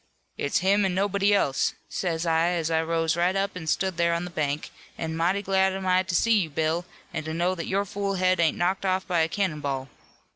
"'It's him an' nobody else,' says I, as I rose right up an' stood there on the bank, 'an' mighty glad am I to see you Bill, an' to know that your fool head ain't knocked off by a cannon ball.'